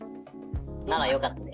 ならよかったです。